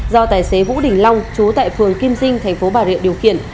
do tài xế vũ đình long chú tại phường kim dinh tp bà rịa điều khiển